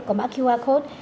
có mã qr code